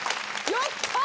やったー！